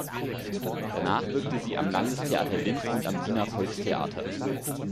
Danach wirkte sie am Landestheater Linz und am Wiener Volkstheater.